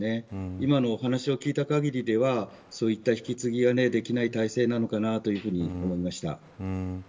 今のお話を聞いた限りではそういった引き継ぎができない態勢なのかなと思いました。